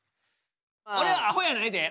俺はあほやないで。